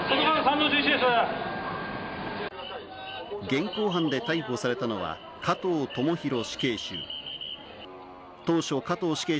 現行犯で逮捕されたのは加藤智大死刑囚。